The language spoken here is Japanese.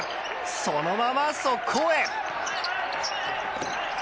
そのまま速攻へ！